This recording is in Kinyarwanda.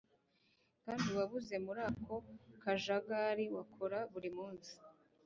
kandi wabuze muri ako kajagari wakora buri munsi